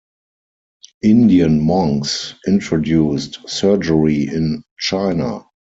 Indian monks introduced surgery in China.